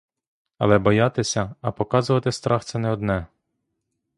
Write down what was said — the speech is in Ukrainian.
Але боятися, а показувати страх, це не одне!